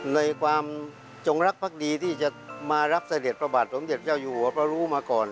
ในความจงรักภักดีที่จะมารับเสด็จพระบาทสมเด็จเจ้าอยู่หัวพระรู้มาก่อน